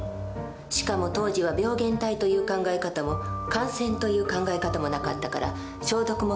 しかも当時は病原体という考え方も感染という考え方もなかったから消毒もきちんとしなかったの。